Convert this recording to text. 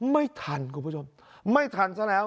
ไม่ทันคุณผู้ชมไม่ทันซะแล้ว